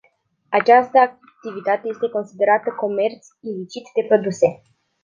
Această activitate este considerată comerț ilicit de produse.